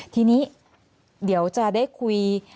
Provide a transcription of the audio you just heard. ทีนี้เดี๋ยวจะได้คุย